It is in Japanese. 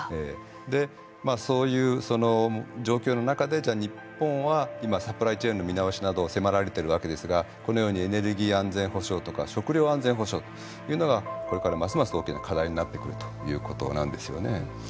でそういう状況の中でじゃあ日本は今サプライチェーンの見直しなどを迫られてるわけですがこのようにエネルギー安全保障とか食料安全保障いうのがこれからますます大きな課題になってくるということなんですよね。